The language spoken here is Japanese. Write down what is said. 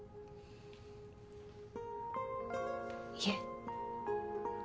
いえ。